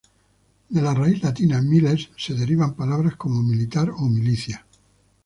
De la raíz latina "miles" se derivan palabras como militar o milicia.